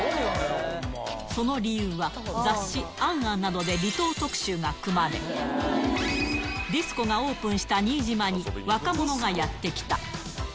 その理由は、雑誌、ａｎａｎなどで離島特集が組まれ、ディスコがオープンした新島に若者がやって来た。